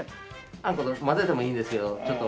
あんこと混ぜてもいいんですけどちょっと。